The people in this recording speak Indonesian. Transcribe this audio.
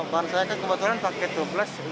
bar saya kebetulan pakai tubles